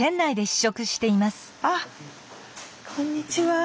あっこんにちは。